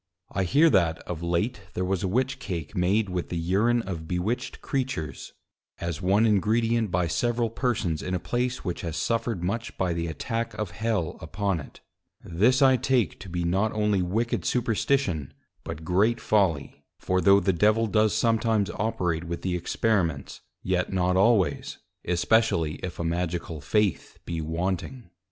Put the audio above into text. I hear that of late there was a Witch cake made with the Urine of bewitched Creatures, as one Ingredient by several Persons in a place, which has suffered much by the Attack of Hell upon it: This I take to be not only wicked Superstition, but great Folly: For tho' the Devil does sometimes operate with the Experiments, yet not always, especially if a Magical Faith be wanting.